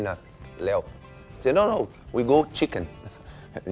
ไม่เราไปกับชิคกี้พาย